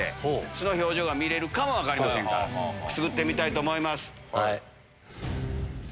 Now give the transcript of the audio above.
素の表情が見れるかも分かりませんからくすぐってみたいと思います。